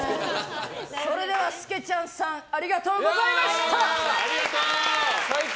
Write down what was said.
それではスケちゃんさんありがとうございました。